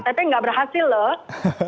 nah tapi tidak berhasil loh